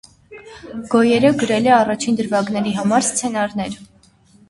Գոյերը գրել է առաջին դրվագների համար սցենարներ։